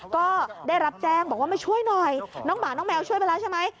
ก็ได้รับแจ้งบอกว่ามาช่วยหน่อยน้องหมาน้องแมวช่วยไปแล้วใช่ไหม